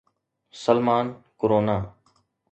Salman corona